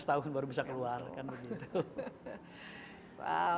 lima belas tahun baru bisa keluar kan begitu